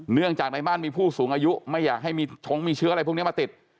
เนื่องจากในบ้านมีผู้สูงอายุไม่อยากให้มีชงมีเชื้ออะไรพวกนี้มาติด